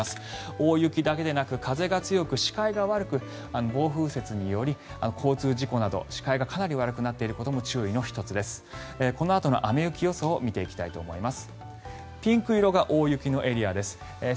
大雪だけでなく風が強く、視界が悪く暴風雪により交通事故など視界がかなり悪くなっていることも注意の１つです。